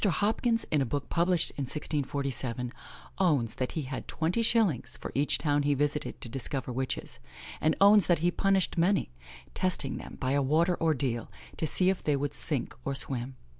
Hopkins, in a book published in 1647, owns that he had twenty shillings for each town he visited to discover witches, and owns that he punished many: testing them by a water ordeal, to see if they would sink or swim.